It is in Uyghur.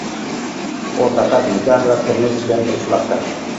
ئۇ پەقەت نىكاھ ۋە تۇرمۇش ئۈچۈن تىرىشماقتا.